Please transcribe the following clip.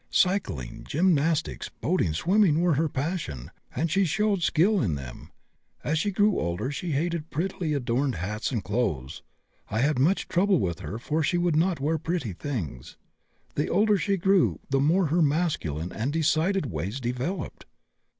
Cycling, gymnastics, boating, swimming, were her passion, and she showed skill in them. As she grew older she hated prettily adorned hats and clothes. I had much trouble with her for she would not wear pretty things. The older she grew the more her masculine and decided ways developed.